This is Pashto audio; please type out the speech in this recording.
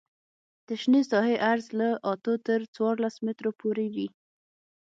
د شنې ساحې عرض له اتو تر څوارلس مترو پورې وي